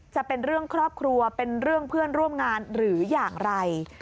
จะเป็นเรื่องครอบครัวเป็นเรื่องเพื่อนร่วมงานหรืออย่างไร